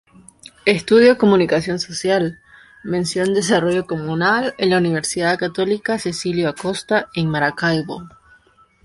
Estudio Comunicación Social, mención Desarrollo Comunal en la Universidad Católica Cecilio Acosta, en Maracaibo.